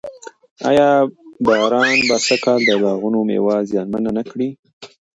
آیا باران به سږ کال د باغونو مېوه زیانمنه نه کړي؟